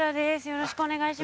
よろしくお願いします